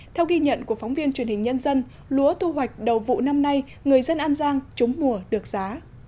theo ghi nhận của phóng viên truyền hình nhân dân lúa thu hoạch đầu vụ năm nay người dân an giang trúng mùa được giá